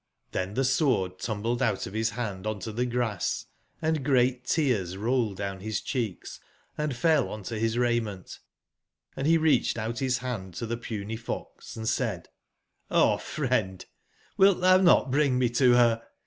Oen tbe sword tumbled out of bis band on to tbe grass, & great tears rolled down bis cbeeks andfellontobisraiment, andbereacbedoutbisband to tbe puny fox and said: '*0 friend, wilt tbou not bring me to ber